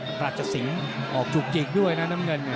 ราชสิงศ์ออกจุกจิกด้วยนะน้ำเงิน